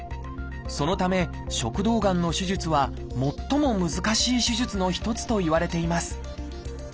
そのため食道がんの手術は最も難しい手術の一つといわれています。